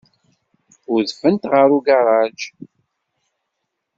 Udfent ɣer ugaṛaj.